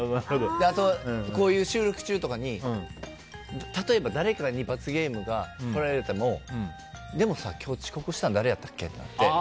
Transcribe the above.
あと、こういう収録中とかに例えば、誰かに罰ゲームを振られてもでもさ、今日遅刻したの誰やったっけ？って。